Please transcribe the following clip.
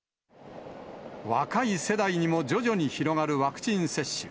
若い世代にも徐々に広がるワクチン接種。